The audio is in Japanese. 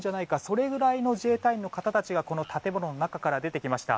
それくらいの自衛隊員の方が建物の中から出てきました。